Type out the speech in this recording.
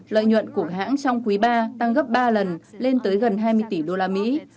lợi nhuận của hãng trong quý ba tăng gấp ba lần lên tới gần hai mươi tỷ đô la mỹ